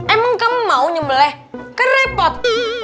emang kamu mau nyembeleh kerepot